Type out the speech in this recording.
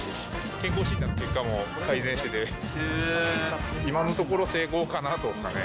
健康診断の結果も改善してて、今のところ成功かなと。